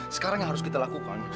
sekarang yang harus kita lakukan